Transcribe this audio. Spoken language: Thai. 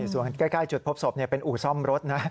ส่วนใกล้จุดพบศพเป็นอู่ซ่อมรถนะ